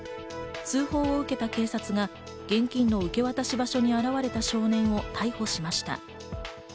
通報を受けた警察が現金の受け渡し場所に現れた少年を逮捕しました。